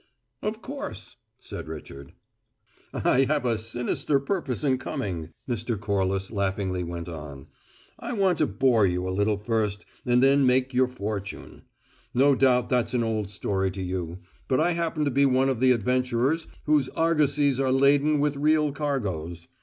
"Of course," said Richard. "I have a sinister purpose in coming," Mr. Corliss laughingly went on. "I want to bore you a little first, and then make your fortune. No doubt that's an old story to you, but I happen to be one of the adventurers whose argosies are laden with real cargoes.